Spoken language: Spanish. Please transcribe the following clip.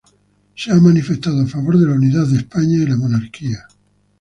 Se ha manifestado a favor de la unidad de España y la monarquía.